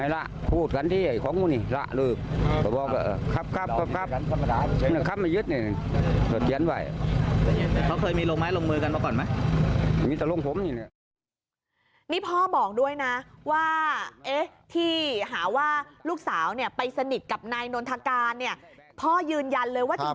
ลูกสาวผมไนนี่เหละเขาเธอนั่นเลย